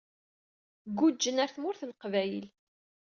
Guǧǧen ɣer Tmurt n Leqbayel.